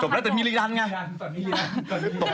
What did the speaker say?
จบแล้วแต่มีรีรันงะจบแล้วถูกแข็ง